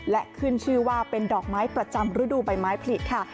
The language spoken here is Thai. และขึ้นชื่อว่าเป็นดอกไม้ประจำฤดูใบไม้ผลิค่ะ